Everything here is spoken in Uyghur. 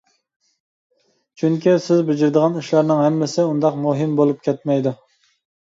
چۈنكى سىز بېجىرىدىغان ئىشلارنىڭ ھەممىسى ئۇنداق مۇھىم بولۇپ كەتمەيدۇ.